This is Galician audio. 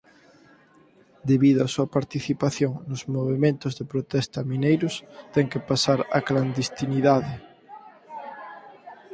Debido a súa participación nos movementos de protesta mineiros ten que pasar á clandestinidade.